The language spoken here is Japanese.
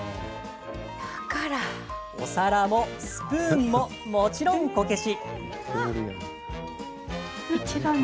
お皿もスプーンももちろん、こけし。